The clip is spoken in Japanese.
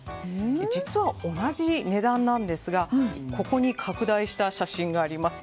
実は、同じ値段なんですが拡大した写真があります。